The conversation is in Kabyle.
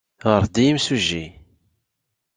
Ɣret-d i yimsujji.